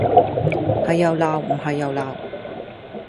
係又鬧唔係又鬧